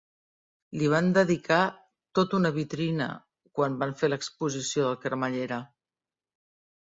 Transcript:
Li van dedicar tota una vitrina, quan van fer l'exposició del cremallera!